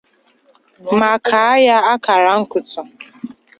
ma kàá ya akàrà nkụtù